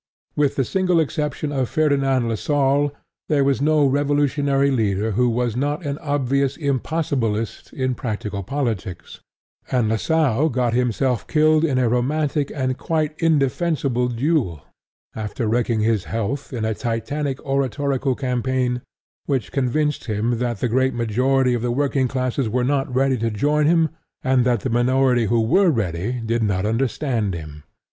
With the single exception of Ferdinand Lassalle, there was no revolutionary leader who was not an obvious impossibilist in practical politics; and Lassalle got himself killed in a romantic and quite indefensible duel after wrecking his health in a titanic oratorical campaign which convinced him that the great majority of the working classes were not ready to join him, and that the minority who were ready did not understand him.